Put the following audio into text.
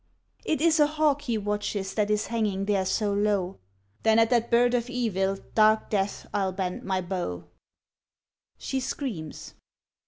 ' It is a hawk he watches, that is hanging there so low.' ' Then at that bird of evil, dark death, I '11 bend my bow.' (She screams.)